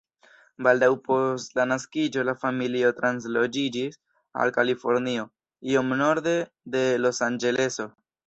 Baldaŭ post la naskiĝo la familio transloĝiĝis al Kalifornio, iom norde de Losanĝeleso.